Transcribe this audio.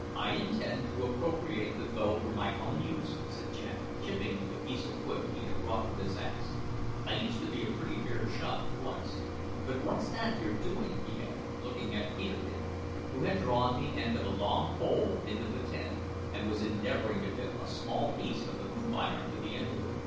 "I intend to appropriate the bow for my own use," said Jack, chipping the piece of wood he had brought with his axe. "I used to be a pretty fair shot once. But what's that you're doing?" he added, looking at Peterkin, who had drawn the end of a long pole into the tent, and was endeavouring to fit a small piece of the hoop iron to the end of it.